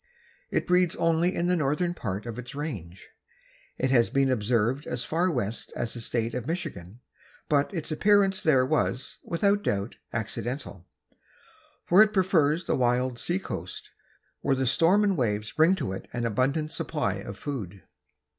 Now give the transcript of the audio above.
It breeds only in the northern part of its range. It has been observed as far west as the state of Michigan, but its appearance there was, without doubt, accidental, for it prefers the wild sea coast, where the storm and waves bring to it an abundant supply of food.